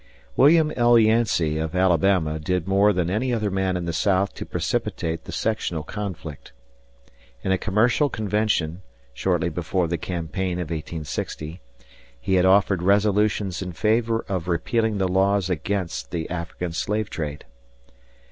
William L. Yancey, of Alabama, did more than any other man in the South to precipitate the sectional conflict. In a commercial convention, shortly before the campaign of 1860, he had offered resolutions in favor of repealing the laws against the African slave trade.